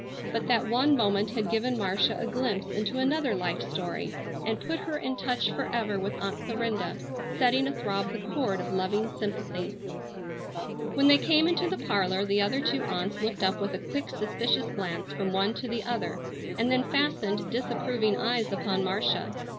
But that one moment had given Marcia a glimpse into another life story and put her in touch forever with Aunt Clarinda, setting athrob the chord of loving sympathy. When they came into the parlor the other two aunts looked up with a quick, suspicious glance from one to the other and then fastened disapproving eyes upon Marcia.